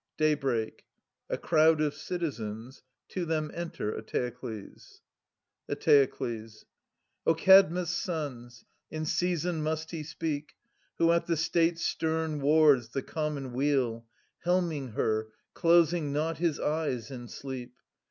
Daybreak : a crowd of citizens : to them enter Eteokles, Eteoklbs. O Kadmus' sons, in season must he speak Who at the state's stern wards the common weal, Helming her, closing not his eyes in sleep.